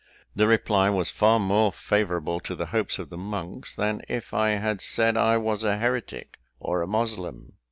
The reply was far more favourable to the hopes of the monks, than if I had said I was a heretic or a moslem.